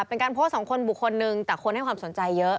เป็นการโพสต์ของคนบุคคลนึงแต่คนให้ความสนใจเยอะ